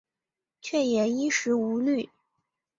却也衣食无虑